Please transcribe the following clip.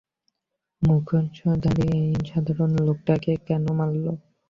মুখোশধারীরা এই সাধারণ লোকটাকে কেন মারলো?